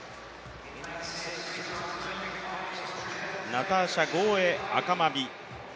ナターシャ・ゴーエアカマビ。